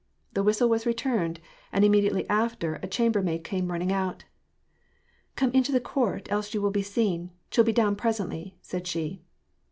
The whis tle was returned, and immediately after a chambermaid came running out. '< Come into the court, else you will be seen ; she'll be down presently," said she.